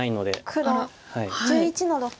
黒１１の六。